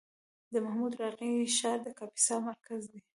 د محمود راقي ښار د کاپیسا مرکز دی